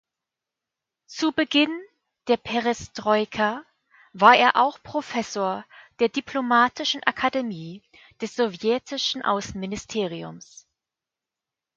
Zu Beginn der Perestroika war er auch Professor der Diplomatischen Akademie des sowjetischen Außenministeriums.